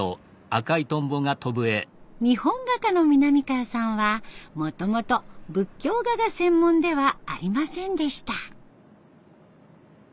日本画家の南川さんはもともと仏教画が専門ではありませんでした。